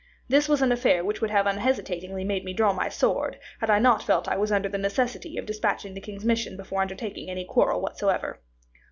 This was an affair which would have unhesitatingly made me draw my sword, had I not felt that I was under the necessity of dispatching the king's mission before undertaking any quarrel whatsoever.